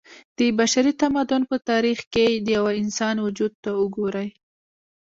د بشري تمدن په تاريخ کې د يوه انسان وجود ته وګورئ